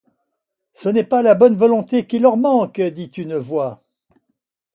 Ce n’est pas la bonne volonté qui leur manque, dit une voix.